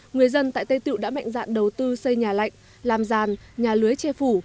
người dân tại tây tự đã mạnh dạng đầu tư xây nhà lạnh làm ràn nhà lưới che phủ